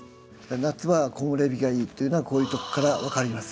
夏場は木漏れ日がいいというのはこういうとこから分かります。